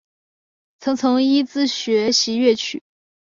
曾从尹自重学习粤曲。